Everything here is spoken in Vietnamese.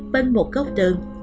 bên một góc tường